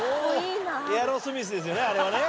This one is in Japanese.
エアロスミスですよね